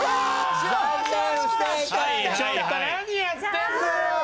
ちょっと何やってんのよ！